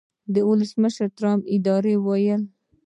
د ولسمشرټرمپ ادارې وویل